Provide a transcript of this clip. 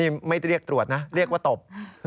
นี่ไม่เรียกตรวจนะเรียกว่าตบ